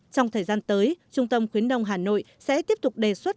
trong thời gian tới trung tâm khuyến nông hà nội sẽ tiếp tục đề xuất